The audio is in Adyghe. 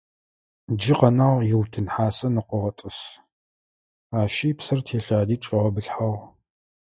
Джы къэнагъ: итутын хьасэ ныкъогъэтӀысы, ащи псыр телъади чӀигъэбылъыхьагъ.